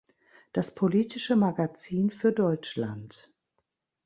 Das politische Magazin für Deutschland".